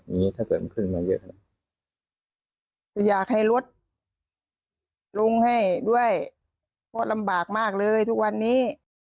อย่างงี้ถ้าเกิดมันขึ้นมาเยอะอยากให้ลดลงให้ด้วยก็ลำบากมากเลยทุกวันนี้